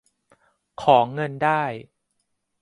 ของเงินได้